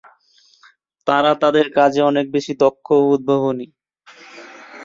তাঁরা তাঁদের কাজে অনেক বেশি দক্ষ ও উদ্ভাবনী।